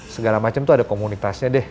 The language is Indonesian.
segala macam itu ada komunitasnya deh